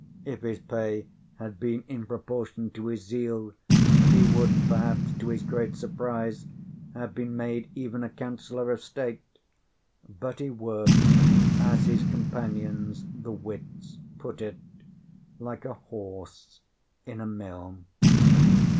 If his pay had been in proportion to his zeal, he would, perhaps, to his great surprise, have been made even a councillor of state. But he worked, as his companions, the wits, put it, like a horse in a mill.